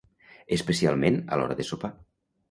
especialment a l'hora de sopar